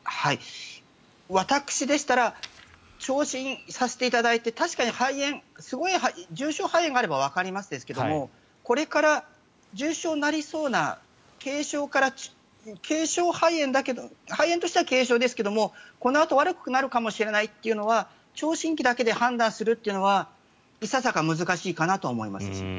私でしたら聴診させていただいて確かに肺炎重症肺炎があればわかりますがこれから重症になりそうな肺炎としては軽症ですけどこのあと悪くなるかもしれないというのは聴診器だけで判断するというのはいささか難しいかなと思います。